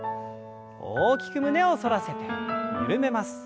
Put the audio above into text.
大きく胸を反らせて緩めます。